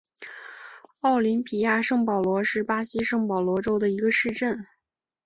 奥林匹亚圣保罗是巴西圣保罗州的一个市镇。